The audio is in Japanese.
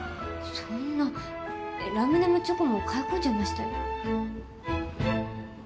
そんなラムネもチョコも買い込んじゃいましたよ。